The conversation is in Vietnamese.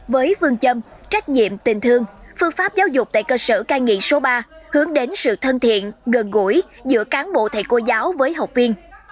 với phương châm trách nhiệm tình thương phương pháp giáo dục tại cơ sở cai nghiện số ba hướng đến sự thân thiện gần gũi giữa cán bộ thầy cô giáo với học viên